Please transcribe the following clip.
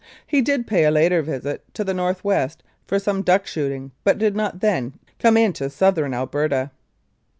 He did pay a later visit to the North West for some duck shooting, but did not then come into Southern Alberta.